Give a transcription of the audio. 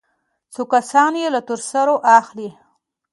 خو كسات يې له تور سرو اخلي.